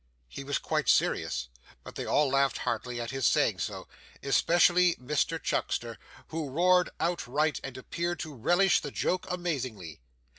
He was quite serious, but they all laughed heartily at his saying so, especially Mr Chuckster, who roared outright and appeared to relish the joke amazingly.